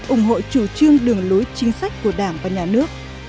ủng hộ chủ trương đường lối chính sách của đảng và nhà nước